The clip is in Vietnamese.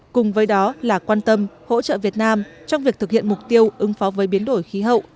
cùng với đó là quan tâm hỗ trợ việt nam trong việc thực hiện mục tiêu ứng phó với biến đổi khí hậu